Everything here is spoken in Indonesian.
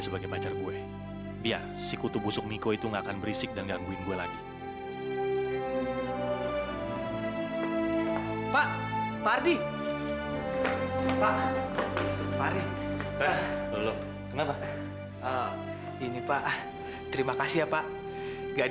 sampai jumpa di video selanjutnya